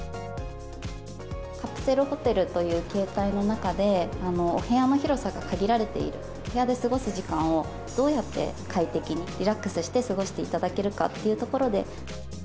カプセルホテルという形態の中で、お部屋の広さが限られている、お部屋で過ごす時間をどうやって快適に、リラックスして過ごしていただけるかっていうところで。